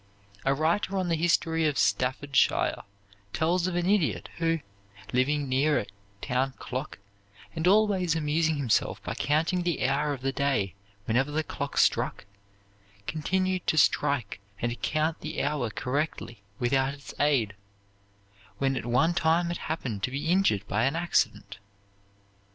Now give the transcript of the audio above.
A writer on the history of Staffordshire tells of an idiot who, living near a town clock, and always amusing himself by counting the hour of the day whenever the clock struck, continued to strike and count the hour correctly without its aid, when at one time it happened to be injured by an accident.